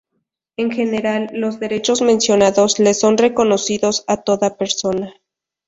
En general, los derechos mencionados le son reconocidos a toda persona.